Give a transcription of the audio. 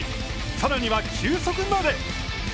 さらには、球速まで。